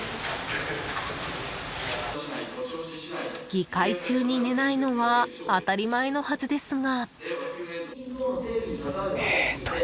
［議会中に寝ないのは当たり前のはずですが］